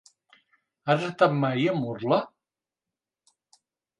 Has estat mai a Murla?